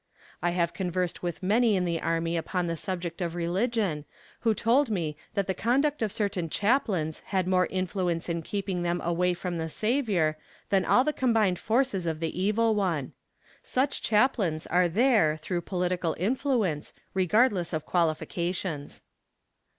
I have conversed with many in the army upon the subject of religion, who told me that the conduct of certain chaplains had more influence in keeping them away from the Saviour than all the combined forces of the evil one. Such chaplains are there through political influence, regardless of qualifications.